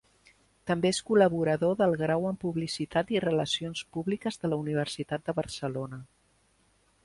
També és col·laborador del grau en Publicitat i Relacions Públiques de la Universitat de Barcelona.